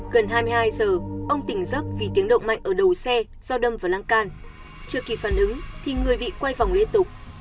gần hai mươi hai h ông tỉnh giấc vì tiếng động mạnh ở đầu xe do đâm và lăng can trước khi phản ứng thì người bị quay vòng liên tục